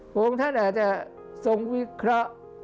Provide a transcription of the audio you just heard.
พระองค์ท่านอาจจะทรงวิเคราะห์